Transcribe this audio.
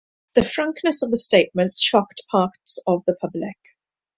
The frankness of the statements shocked parts of the public.